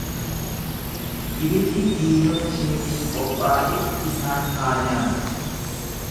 Ibiddi diinota keetiif qophaa'e isaan haa nyaatu.